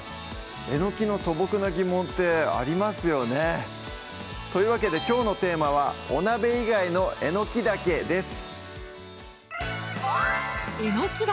えのきの素朴な疑問ってありますよねというわけできょうのテーマは「お鍋以外のえのきだけ」です